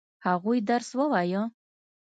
هغوی درس ووايه؟